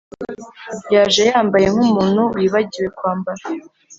Yaje yambaye nkumuntu wibagiwe kwambara